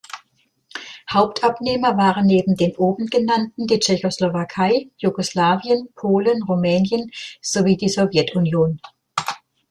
Hauptabnehmer waren neben den oben genannten die Tschechoslowakei, Jugoslawien, Polen, Rumänien sowie die Sowjetunion.